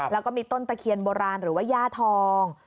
แล้วก็มีต้นตะเคียนโบราณหรือว่าย่าทอง